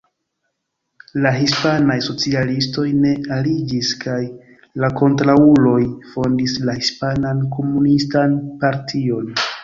La hispanaj socialistoj ne aliĝis kaj la kontraŭuloj fondis la Hispanan Komunistan Partion.